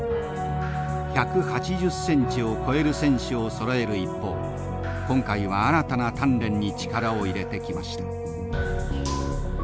１８０ｃｍを超える選手をそろえる一方今回は新たな鍛錬に力を入れてきました。